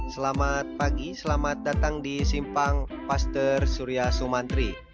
selamat pagi selamat datang di simpang paster surya sumantri